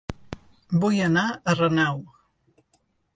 Vull anar a Renau